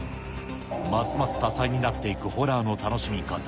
ますます多彩になっていくホラーの楽しみ方。